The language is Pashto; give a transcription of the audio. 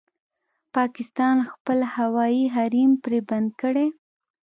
پاکستان خپل هوايي حريم پرې بند کړی